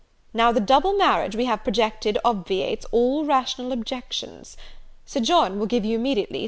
Now the double marriage we have projected obviates all rational objections. Sir John will give you immediately L.